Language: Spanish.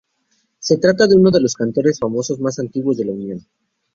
Se trata de uno de los cantaores famosos más antiguos de La Unión.